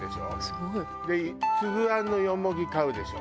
すごい。でつぶあんのよもぎ買うでしょ。